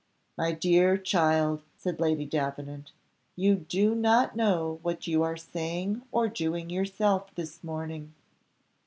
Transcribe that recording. "My dear child," said Lady Davenant; "you do not know what you are saying or doing yourself this morning."